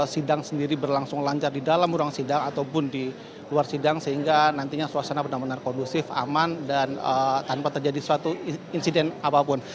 sidang sendiri berlangsung lancar di dalam ruang sidang ataupun di luar sidang sehingga nantinya suasana benar benar kondusif aman dan tanpa terjadi suatu insiden apapun